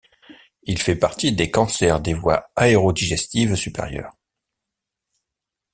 Il fait partie des cancers des voies aérodigestives supérieures.